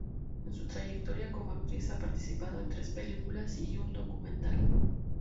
En su trayectoria como actriz, ha participado en tres películas y un documental.